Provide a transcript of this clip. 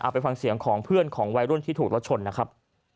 ไปฟังเสียงของเพื่อนของวัยรุ่นที่ถูกรถชนนะครับ